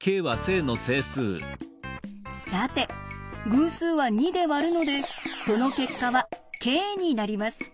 さて偶数は２で割るのでその結果はｋになります。